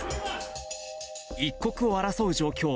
一刻を争う状況。